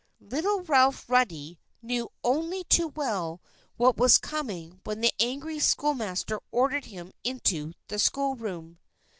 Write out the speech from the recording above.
Little Ralph Ruddy knew only too well what was coming when the angry schoolmaster ordered him into the schoolroom.